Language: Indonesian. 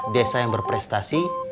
desa yang berprestasi